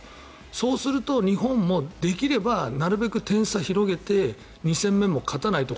そうすると、日本もできればなるべく点差を広げて２戦目も勝たないと。